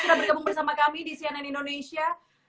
sudah bergabung bersama kami di cnn indonesia